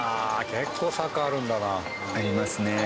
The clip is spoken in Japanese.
結構坂あるんだな。ありますね。